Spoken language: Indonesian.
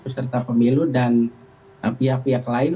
peserta pemilu dan pihak pihak lain